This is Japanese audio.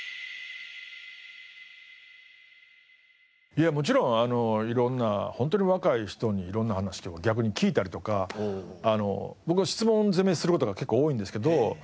いやもちろんいろんな本当に若い人にいろんな話を逆に聞いたりとか僕は質問攻めする事が結構多いんですけど。